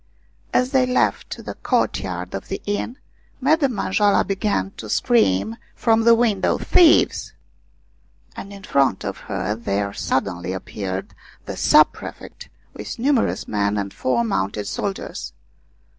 As they left the courtyard of the inn, Madame Manjoala began to scream from the window, " Thieves !" and in front of her there suddenly appeared the sub prefect with numerous men and four mounted soldiers.